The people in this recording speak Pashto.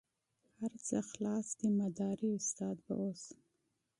هر څه خلاص دي مداري استاد به اوس.